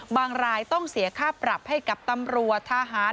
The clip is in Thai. รายต้องเสียค่าปรับให้กับตำรวจทหาร